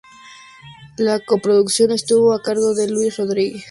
La co-producción estuvo a cargo de Luis Rodriguez.